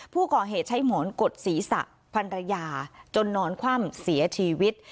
ผู้ก่อเหตุใช้หมอนกดศีรษะพันรยาจนนอนคว่ำเสียชีวิต